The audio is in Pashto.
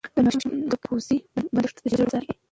د ماشوم د پوزې بندښت ژر وڅارئ.